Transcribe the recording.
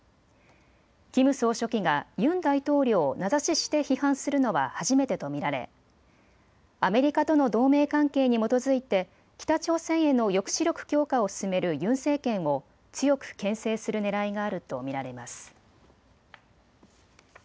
キム総書記がユン大統領を名指しして批判するのは初めてと見られアメリカとの同盟関係に基づいて北朝鮮への抑止力強化を進めるユン政権を強くけん制するねらいがあると見られます。